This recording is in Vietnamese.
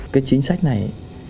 cái chính sách này